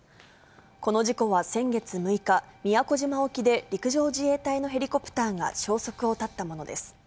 この事故は先月６日、宮古島沖で陸上自衛隊のヘリコプターが消息を絶ったものです。